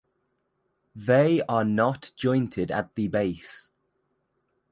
They are not jointed at the base.